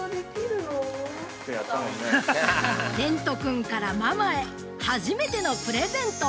◆蓮人君からママへ初めてのプレゼント！